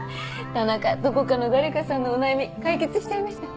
田中どこかの誰かさんのお悩み解決しちゃいました。